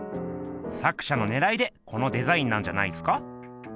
作者のねらいでこのデザインなんじゃないっすか？